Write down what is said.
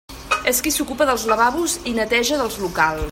És qui s'ocupa dels lavabos i neteja dels locals.